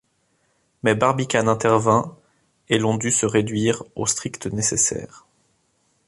Mais Barbicane intervint, et l’on dut se réduire au strict nécessaire.